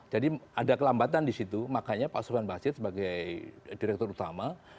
jadi ada kelambatan di situ makanya pak subhan basit sebagai direktur utama